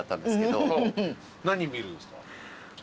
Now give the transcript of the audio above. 何見るんですか？